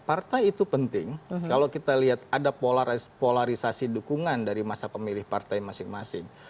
partai itu penting kalau kita lihat ada polarisasi dukungan dari masa pemilih partai masing masing